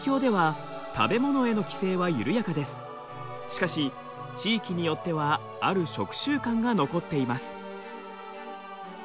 しかし地域によってはある食習慣が残っています。